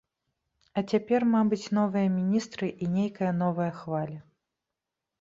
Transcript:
А цяпер, мабыць, новыя міністры і нейкая новая хваля.